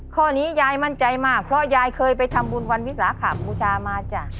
ข้อนี้ยายมั่นใจมากเพราะยายเคยไปทำบุญวันวิสาขบูชามาจ้ะ